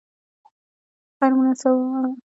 غیر منصفانه بهیرونه باید نه وي کارول شوي.